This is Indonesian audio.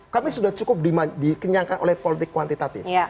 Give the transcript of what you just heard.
kami sudah cukup dikenyangkan oleh politik kuantitatif